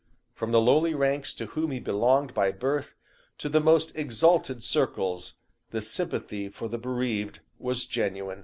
From the lowly ranks to whom he belonged by birth, to the most exalted circles, the sympathy for the bereaved was genuine."